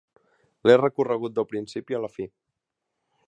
L'he recorregut del principi a la fi.